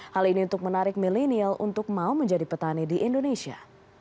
hal ini untuk menarik milenial untuk mau menjadi petani di indonesia